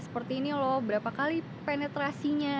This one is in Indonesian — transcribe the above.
seperti ini loh berapa kali penetrasinya